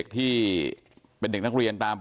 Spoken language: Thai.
โอ้โหโอ้โหโอ้โหโอ้โห